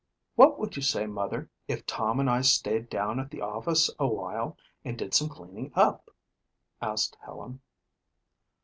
"What would you say, Mother, if Tom and I stayed down at the office a while and did some cleaning up?" asked Helen.